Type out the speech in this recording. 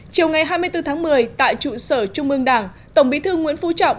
chiều ngày hai mươi bốn tháng một mươi tại trụ sở trung ương đảng tổng bí thư nguyễn phú trọng